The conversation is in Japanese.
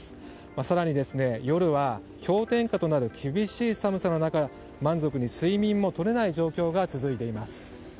更に、夜は氷点下となる厳しい寒さの中満足に睡眠もとれない状況が続いています。